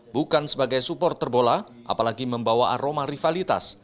bukan sebagai supporter bola apalagi membawa aroma rivalitas